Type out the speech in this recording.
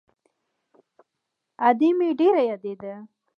ادې مې ډېره يادېده.